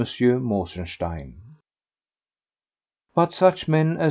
Mosenstein. But such men as M.